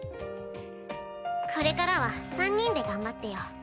これからは３人で頑張ってよ。